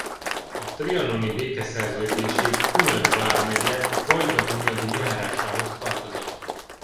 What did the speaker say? A trianoni békeszerződésig Hunyad vármegye Vajdahunyadi járásához tartozott.